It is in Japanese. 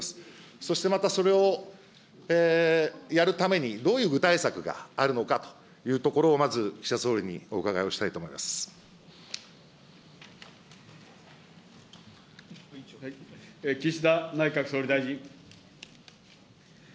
そしてまたそれをやるために、どういう具体策があるのかというところをまず岸田総理にお伺いを岸田内閣総理大臣。